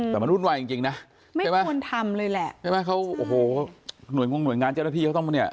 แต่มันวุ่นวายจริงนะใช่ไหมใช่ไหมโอ้โฮหน่วยงานเจ้าที่เขาต้องมานี่